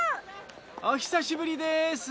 おひさしぶりです。